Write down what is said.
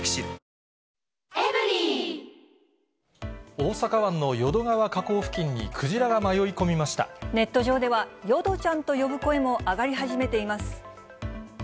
大阪湾の淀川河口付近にクジネット上では、よどちゃんと呼ぶ声も上がり始めています。